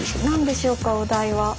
何でしょうかお題は。